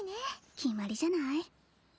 決まりじゃない？